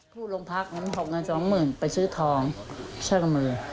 ผู้โรงพักษณ์มันหกเงินสองหมื่นไปซื้อทองเชิงมือ